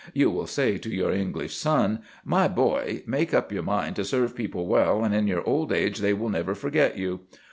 You will say to your English son, "My boy, make up your mind to serve people well, and in your old age they will never forget you.